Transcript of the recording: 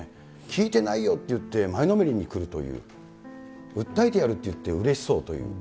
聞いてないよって言って、前のめりにくるという、訴えてやるって言ってうれしそうという。